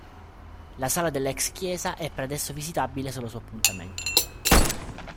La sala della ex-chiesa è per adesso visitabile solo su appuntamento.